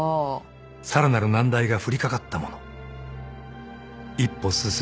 ［さらなる難題が降りかかった者一歩進んだ者